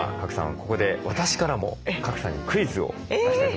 ここで私からも賀来さんにクイズを出したいと思います。